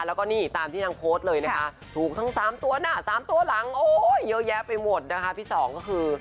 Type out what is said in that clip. แล้วก็นี่ตามที่นางโพสต์เลยนะคะถูกทั้ง๓ตัวน่ะ๓ตัวหลังโอ้ยเยอะแยะไปหมดนะคะพี่สองก็คือ